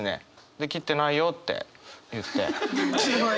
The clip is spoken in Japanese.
で「切ってないよ」って言って。